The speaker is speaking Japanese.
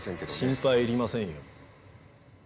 心配いりませんよ。